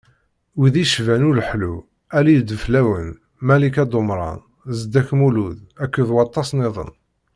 Wid yecban Uleḥlu, Ali Ideflawen, Malika Dumran, Zeddek Lmulud akked waṭas-nniḍen.